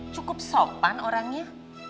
cukup sopan orangnya